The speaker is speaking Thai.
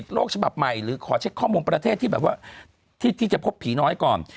โลกฉบับใหม่หรือขอเช็คข้อมูลประเทศที่แบบว่าที่จะพบผีน้อยก่อน